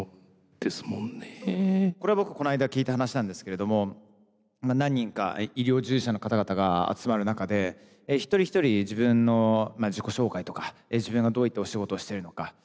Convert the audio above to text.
これは僕この間聞いた話なんですけれども何人か医療従事者の方々が集まる中で一人一人自分の自己紹介とか自分がどういったお仕事をしてるのか。